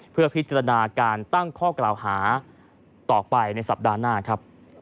เพื่อพิจารณาการตั้งข้อกล่าวหาต่อไปในสัปดาห์หน้าครับ